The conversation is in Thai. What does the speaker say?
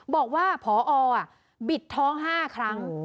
บอกว่าพอบิดท้อง๕ครั้ง